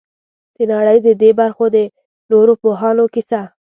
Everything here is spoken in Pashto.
د نړۍ د دې برخې د نورو پوهانو کیسه.